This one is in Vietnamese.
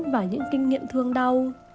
và những kinh nghiệm thương đau